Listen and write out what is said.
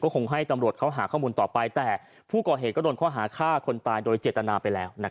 คงให้ตำรวจเขาหาข้อมูลต่อไปแต่ผู้ก่อเหตุก็โดนข้อหาฆ่าคนตายโดยเจตนาไปแล้ว